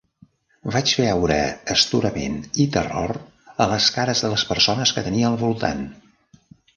Vaig veure astorament i terror a les cares de les persones que tenia al voltant.